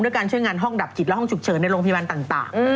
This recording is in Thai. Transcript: การช่วยงานห้องดับจิตและห้องฉุกเฉินในโรงพยาบาลต่าง